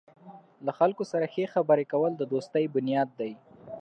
له خلکو سره ښې خبرې کول د دوستۍ بنیاد دی.